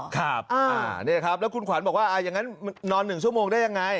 ครับนี่ครับแล้วคุณขวัญบอกว่าอย่างนั้นนอน๑ชั่วโมงได้ยังไง